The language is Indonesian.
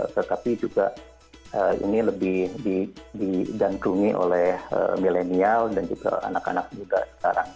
tetapi juga ini lebih digandrungi oleh milenial dan juga anak anak muda sekarang